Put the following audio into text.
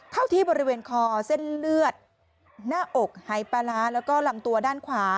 เข้าที่บริเวณคอเส้นเลือดหน้าอกหายปลาร้าแล้วก็ลำตัวด้านขวา